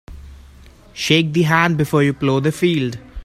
Shake the hand before you plough the field.